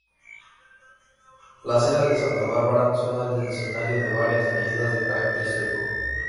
Las "Eras de Santa Bárbara" son el escenario de varias leyendas de carácter histórico.